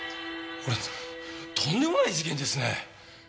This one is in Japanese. これとんでもない事件ですね！